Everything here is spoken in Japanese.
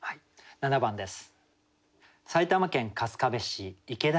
７番です。